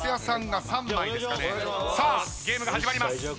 さあゲームが始まります。